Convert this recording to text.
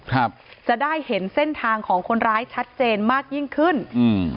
ครับจะได้เห็นเส้นทางของคนร้ายชัดเจนมากยิ่งขึ้นอืม